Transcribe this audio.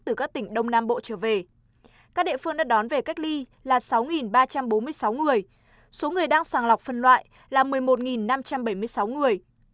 từ các tỉnh đông nam bộ trở về các địa phương đã đón về cách ly là sáu ba trăm bốn mươi sáu người số người đang sàng lọc phân loại là một mươi một năm trăm bảy mươi sáu người